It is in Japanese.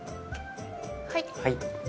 はい。